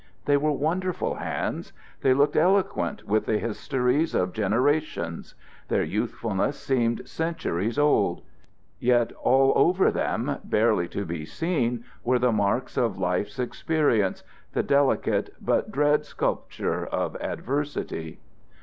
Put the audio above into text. They were wonderful hands: they looked eloquent with the histories of generations; their youthfulness seemed centuries old. Yet all over them, barely to be seen, were the marks of life's experience, the delicate but dread sculpture of adversity.